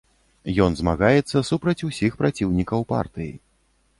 Ён змагаецца супраць усіх праціўнікаў партыі.